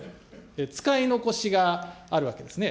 使い残しがあるわけですね。